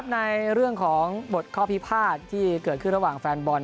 ในเรื่องของบทข้อพิพาทที่เกิดขึ้นระหว่างแฟนบอล